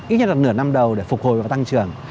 ít nhất là nửa năm đầu để phục hồi và tăng trưởng